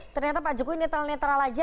ternyata pak jokowi netral netral aja